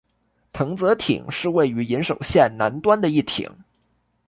藤泽町是位于岩手县南端的一町。